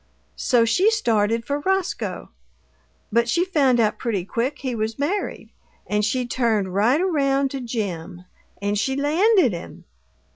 So she started for Roscoe; but she found out pretty quick he was married, and she turned right around to Jim and she landed him!